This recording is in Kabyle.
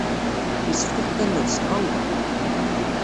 Yessefk ad t-talled s tɣawla!